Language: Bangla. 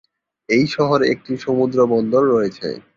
এই শহরে একটি সমুদ্র বন্দর রয়েছে।